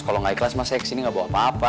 kalau gak ikhlas mas saya kesini gak bawa apa apa